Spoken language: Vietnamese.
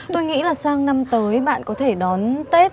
tôi nghĩ là sang năm tới bạn có thể đón tết